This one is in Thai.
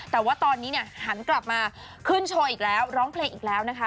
แต่ว่าตอนนี้เนี่ยหันกลับมาขึ้นโชว์อีกแล้วร้องเพลงอีกแล้วนะคะ